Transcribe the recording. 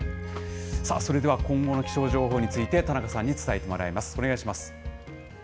それでは、今後の気象情報について、田中さんに伝えてもらいます。